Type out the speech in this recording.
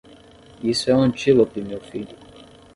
Isso é um antílope meu filho.